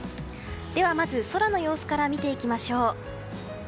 ではまず空の様子から見ていきましょう。